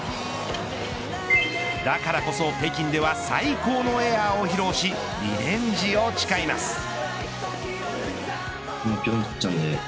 だからこそ北京では最高のエアーを披露しリベンジを誓います。